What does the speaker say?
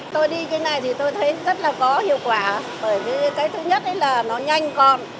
tôi đi cái này thì tôi thấy rất là có hiệu quả bởi vì cái thứ nhất là nó nhanh còn